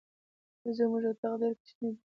زمونږ اطاق ډير کوچنی ده.